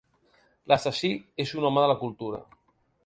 L'assassí és un home de la cultura.